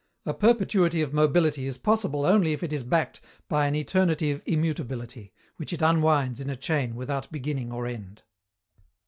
A perpetuity of mobility is possible only if it is backed by an eternity of immutability, which it unwinds in a chain without beginning or end.